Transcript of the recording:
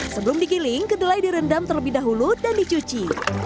sebelum digiling kedelai direndam terlebih dahulu dan dicuci